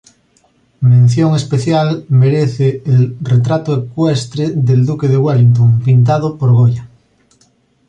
Mención especial merece el "Retrato ecuestre del duque de Wellington", pintado por Goya.